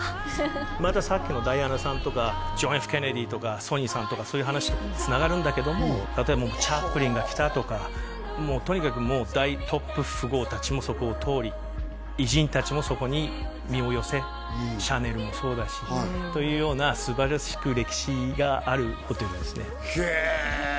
またさっきのダイアナさんとかジョン・Ｆ・ケネディとかＳＯＮＹさんとかそういう話とつながるんだけども例えばチャップリンが来たとかもうとにかく大トップ富豪達もそこを通り偉人達もそこに身を寄せシャネルもそうだしというようなすばらしく歴史があるホテルですねへえ